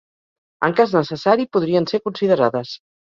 En cas necessari, podrien ser considerades.